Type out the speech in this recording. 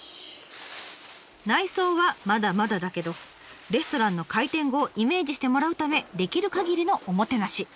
内装はまだまだだけどレストランの開店後をイメージしてもらうためできるかぎりのおもてなし。